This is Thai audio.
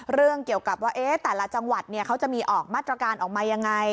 เรื่องเกี่ยวกับว่าแต่ละจังหวัดเขาจะมีออกมาตรการออกมายังไง